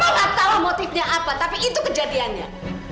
mama gak tahu motifnya apa tapi itu kejadiannya